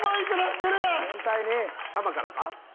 ハマからか？